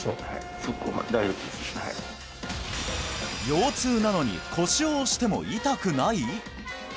腰痛なのに腰を押しても痛くない！？